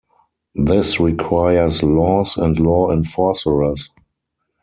This requires laws and law enforcers.